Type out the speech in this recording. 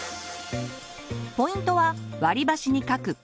ポイントは割り箸にかく黒い丸。